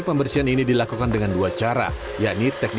pembersihan rutin yang dilakukan oleh balai konservasi borobudur ini